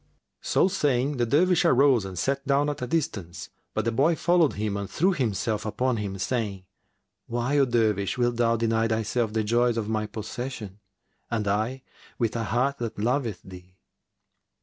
So saying, the Dervish arose and sat down at a distance; but the boy followed him and threw himself upon him, saying, "Why, O Dervish, wilt thou deny thyself the joys of my possession, and I with a heart that loveth thee?"